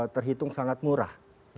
terhitung sangat murah